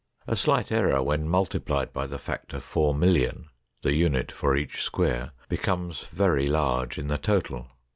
A slight error when multiplied by the factor 4,000,000, the unit for each square, becomes very large in the total.